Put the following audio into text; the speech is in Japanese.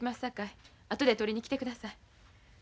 さかい後で取りに来てください。